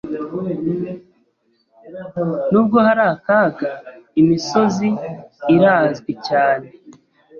Nubwo hari akaga, imisozi irazwi cyane.